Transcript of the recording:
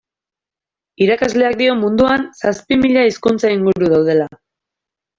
Irakasleak dio munduan zazpi mila hizkuntza inguru daudela.